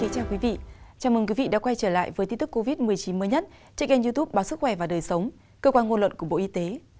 chào mừng quý vị đã quay trở lại với tin tức covid một mươi chín mới nhất trên kênh youtube báo sức khỏe và đời sống cơ quan ngôn luận của bộ y tế